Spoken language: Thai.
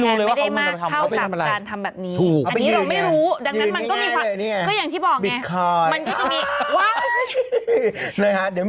อึกอึกอึกอึก